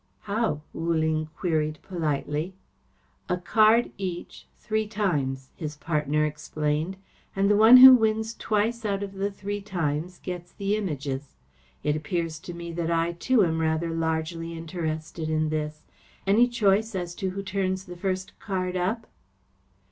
"How?" Wu Ling queried politely. "A card each three times," his partner explained, "and the one who wins twice out of three times gets the Images. It appears to me that I too am rather largely interested in this. Any choice as to who turns the first card up?"